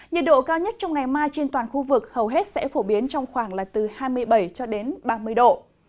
nhiệt độ cao nhất trong ngày mai trên toàn khu vực hầu hết sẽ phổ biến trong khoảng là từ hai mươi bảy cho đến ba mươi độ